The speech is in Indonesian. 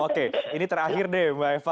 oke ini terakhir deh mbak eva